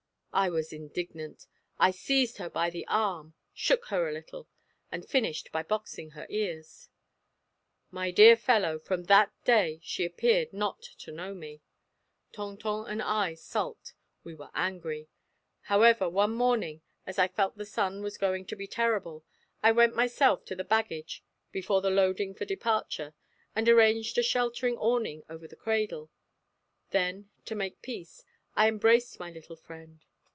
I was indignant. I seized her by the arm, shook her a little, and finished by boxing her ears. "My dear fellow, from that day she appeared not to know me. Tonton and I sulked; we were angry. However, one morning, as I felt the sun was going to be terrible, I went myself to the baggage before the loading for departure, and arranged a sheltering awning over the cradle. Then to make peace, I embraced my little friend.